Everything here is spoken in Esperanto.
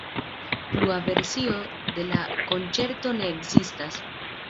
Plua versio de la konĉerto ne ekzistas.